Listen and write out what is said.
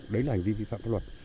đấy là hành vi vi phạm pháp luật